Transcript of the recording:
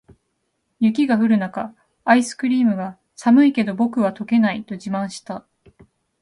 雪が降る中、アイスクリームが「寒いけど、僕は溶けない！」と自慢した。